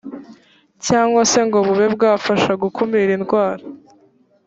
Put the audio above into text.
cyangwa se ngo bube bwafasha gukumira indwara